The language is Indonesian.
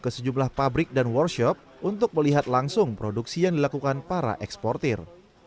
ke sejumlah pabrik dan workshop untuk melihat langsung produksi yang dilakukan para eksportir